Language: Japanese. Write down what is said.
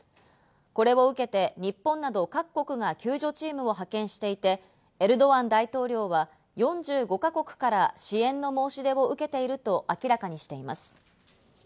これを受けて、日本など各国が救助チームを派遣していて、エルドアン大統領は４５か国から支援の申し出を受けていると明らかにしています。